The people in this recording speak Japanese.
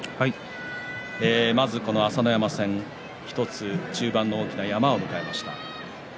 まず朝乃山戦、１つ中盤の大きな山を迎えました。